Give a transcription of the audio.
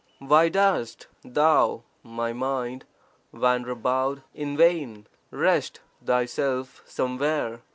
Why dost thou, my mind, wander about in vain? Rest (thyself) somewhere.